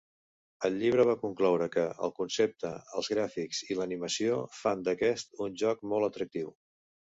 El llibre va concloure que "el concepte, els gràfics i l'animació fan d'aquest un joc molt atractiu".